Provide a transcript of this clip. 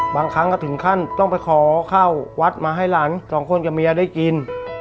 บางครั้งก็ถึงขั้นต้องไปขอข้าววัดมาให้หลานสองคนกับเมียได้กิน